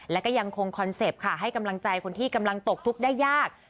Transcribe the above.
และก็ยังคงคอนเซ็ปต์ค่ะให้กำลังใจคนที่กำลังตกทุกข์ได้ยาก